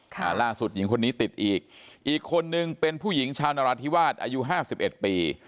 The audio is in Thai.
หล่าสุดหญิงคนนี้ติดอีกอีกคนนึงเป็นผู้หญิงชาวนรธิวาสอายุ๕๑ปี